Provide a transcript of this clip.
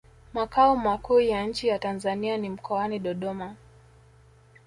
Makao makuu ya nchi ya Tanzania ni mkoani Dododma